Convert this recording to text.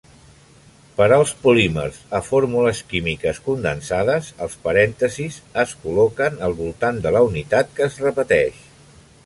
Per als polímers a fórmules químiques condensades, els parèntesis es col·loquen al voltant de la unitat que es repeteix.